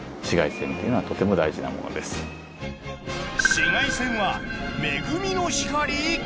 紫外線は恵みの光？